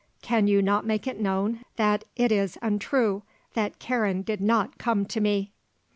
Can you not make it known that it is untrue, that Karen did not come to me?"